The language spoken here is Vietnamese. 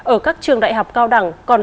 ở các trường đại học cao đẳng còn